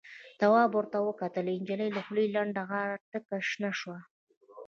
تواب ور وکتل، د نجلۍ دخولې لنده غاړه تکه شنه وه.